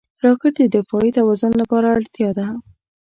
راکټ د دفاعي توازن لپاره اړتیا ده